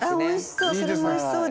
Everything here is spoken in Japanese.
おいしそう。